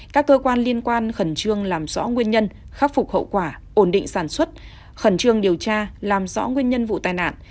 các cơ quan liên quan khẩn trương làm rõ nguyên nhân khắc phục hậu quả ổn định sản xuất khẩn trương điều tra làm rõ nguyên nhân vụ tai nạn